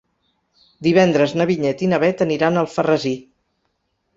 Divendres na Vinyet i na Bet aniran a Alfarrasí.